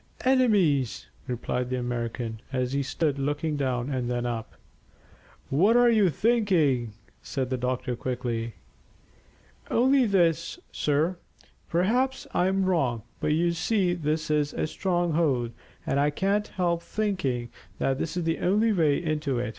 "Enemies," replied the American, as he stood looking down and then up. "What are you thinking?" said the doctor quickly. "Only this, sir. Perhaps I'm wrong, but you see this is a stronghold, and I can't help thinking that this is the only way into it.